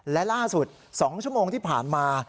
และล่าสุด๒ชั่วโมงที่ผ่านมา